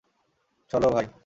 চলো, ভাই।